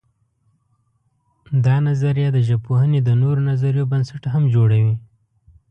دا نظریه د ژبپوهنې د نورو نظریو بنسټ هم جوړوي.